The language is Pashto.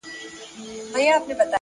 پوهه د پرمختللي ژوند بنسټ دی.!